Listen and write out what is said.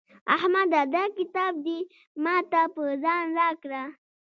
احمده دا کتاب دې ما ته په ځان راکړه.